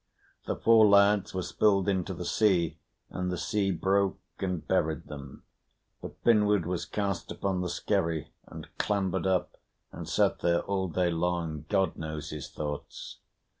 The four lads were spilled into the sea, and the sea broke and buried them, but Finnward was cast upon the skerry, and clambered up, and sat there all day long: God knows his thoughts.